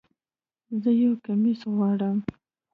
زه یو کمیس غواړم